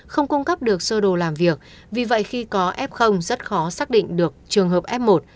không cung cấp được sơ đồ làm việc vì vậy khi có f rất khó xác định được trường hợp f một